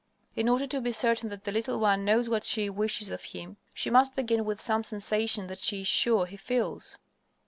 In order to be certain that the little one knows what she wishes of him, she must begin with some sensation that she is sure he feels.